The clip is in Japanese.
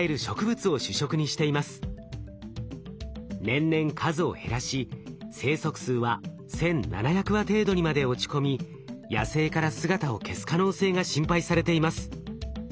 年々数を減らし生息数は１，７００羽程度にまで落ち込み野生から姿を消す可能性が心配されています。